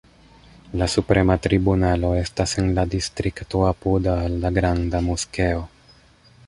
La Suprema Tribunalo estas en la distrikto apuda al la Granda Moskeo.